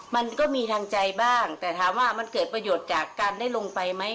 มันก็มีทางใจบ้างแต่ถามว่ามันเกิดประโยชน์จากการได้ลงไปไหม